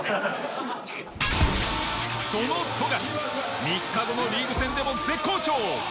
その富樫３日後のリーグ戦でも絶好調！